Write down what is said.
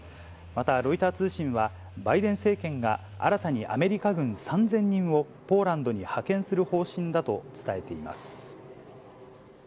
また、ロイター通信は、バイデン政権が、新たにアメリカ軍３０００人をポーランドに派遣する方針だと伝えています。